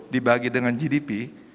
dibagi dengan gdp